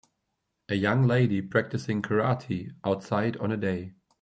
A young lady practicing karate outside on a day.